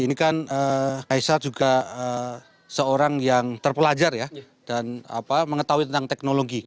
ini kan kaisar juga seorang yang terpelajar ya dan mengetahui tentang teknologi